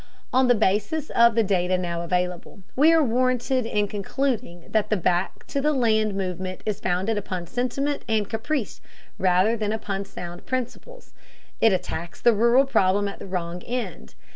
On the basis of the data now available, we are warranted in concluding that the "back to the land" movement is founded upon sentiment and caprice rather than upon sound principles. It attacks the rural problem at the wrong end.